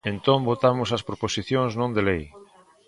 Entón votamos as proposicións non de lei.